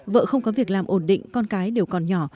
vợ không có việc làm ổn định con cái đều còn nhỏ